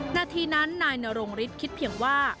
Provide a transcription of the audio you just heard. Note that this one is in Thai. นาทีนั้นนายนรงฤทธิคิดเพียงว่า